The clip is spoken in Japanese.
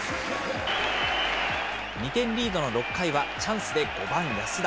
２点リードの６回は、チャンスで５番安田。